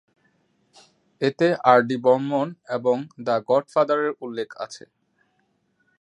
এতে আর ডি বর্মণ এবং "দ্য গডফাদার"-এর উল্লেখ আছে।